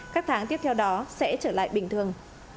các tháng tiếp theo đó sẽ trở lại bình thường